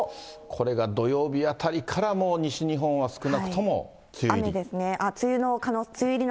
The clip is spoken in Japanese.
これが土曜日あたりからもう西日本は少なくとも梅雨入り？